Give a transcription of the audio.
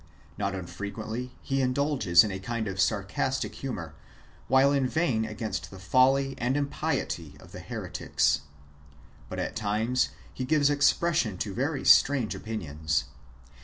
Not unfrequently he indulges in a kind of sar castic humour, while inveighing against the folly and impiety of the heretics. But at tim.es he gives expression to very strange opinions.